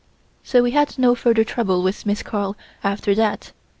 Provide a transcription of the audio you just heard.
So we had no further trouble with Miss Carl after that.